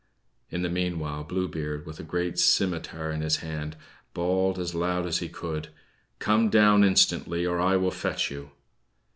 In the meanwhile, Blue Beard, with a great simitar in his hand, bawled as loud as he could: "Come down instantly, or I will fetch you."